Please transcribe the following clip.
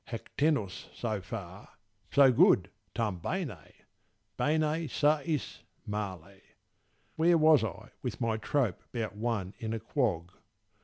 Hactenus, so far, So good, tam bene. Bene, satis, male—, Where was I with my trope 'bout one in a quag?